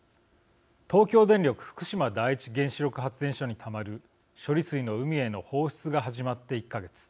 東京電力福島第一原子力発電所にたまる処理水の海への放出が始まって１か月。